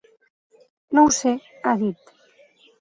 No ho sé, ha dit.